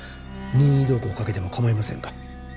任意同行をかけても構いませんか？